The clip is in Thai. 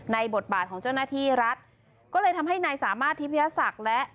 บทบาทของเจ้าหน้าที่รัฐก็เลยทำให้นายสามารถทิพยาศักดิ์และ